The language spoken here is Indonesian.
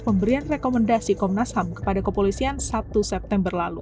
pemberian rekomendasi komnas ham kepada kepolisian satu september lalu